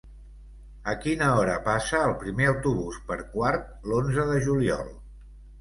A quina hora passa el primer autobús per Quart l'onze de juliol?